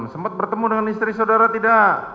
sempat bertemu dengan istri saudara tidak